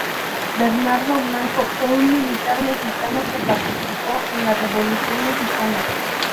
Bernardo Blanco fue un militar mexicano que participó en la Revolución mexicana.